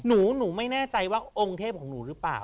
หนูไม่แน่ใจว่าองค์เทพของหนูหรือเปล่า